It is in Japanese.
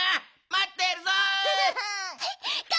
まってるぞ。